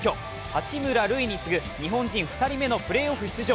八村塁に次ぐ日本人２人目のプレーオフ出場。